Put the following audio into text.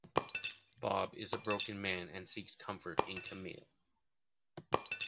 Bob is a broken man and seeks comfort in Camille.